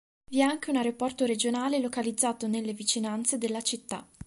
Vi è anche un aeroporto regionale localizzato nelle vicinanze della città.